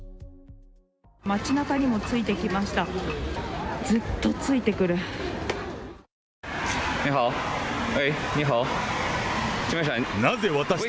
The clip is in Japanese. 街なかにもついてきました。